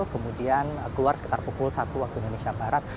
kemudian keluar sekitar pukul satu waktu indonesia barat